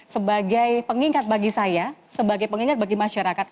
sebagai pengingat bagi saya sebagai pengingat bagi masyarakat